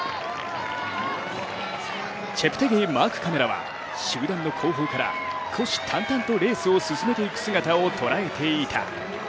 チェプテゲイマークカメラは集団の後方から虎視眈々とレースを進めていく姿をとらえていた。